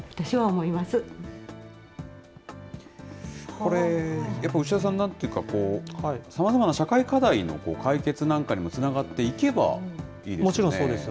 これ、やっぱ牛田さん、なんていうか、さまざまな社会課題の解決なんかにもつながっていけばいいですよ